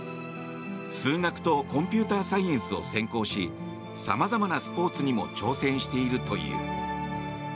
数学とコンピューターサイエンスを専攻しさまざまなスポーツにも挑戦しているという。